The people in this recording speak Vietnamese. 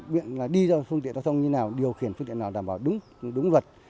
biết đi ra phương tiện giao thông như nào điều khiển phương tiện nào đảm bảo đúng vật